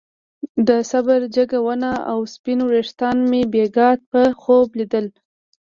د صابر جګه ونه او سپين ويښتان مې بېګاه په خوب ليدل.